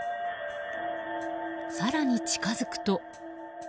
更に近づくと。